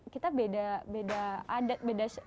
kita beda adat